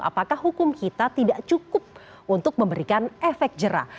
apakah hukum kita tidak cukup untuk memberikan efek jerah